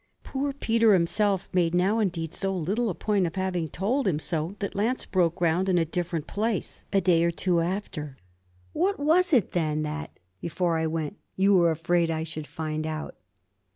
Poor Peter himself made now indeed so little a point of having told him so that Lance broke ground in a different place a day or two after. 'What was it then that before I went you were afraid I should find out?'